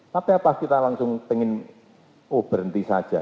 tapi apa kita langsung pengen oh berhenti saja